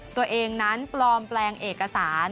ตัวเองนั้นปลอมแปลงเอกสาร